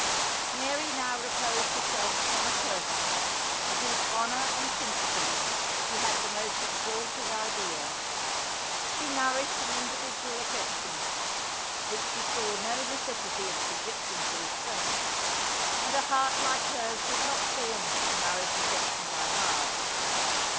Mary now reposed herself upon a person, of whose honour and principles she had the most exalted idea. She nourished an individual affection, which she saw no necessity of subjecting to restraint; and a heart like her's was not formed to nourish affection by halves.